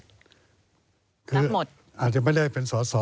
ครับหมดคืออาจจะไม่ได้เป็นสอด